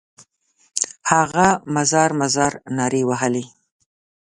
هغه مزار مزار نارې وهلې.